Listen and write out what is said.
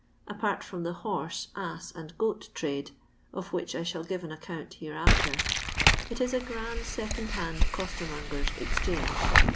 Apart from the horse, ass, and goat trade (of which I shall give an account hereafter), it is a grand Becond hand Costermongers' Exchange.